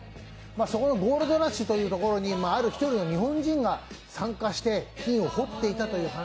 そこのゴールドラッシュというところにある日本人が参加して金を掘っていたと。